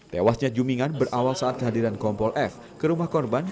tewasnya jumingan berawal saat kehadiran kompol f ke rumah korban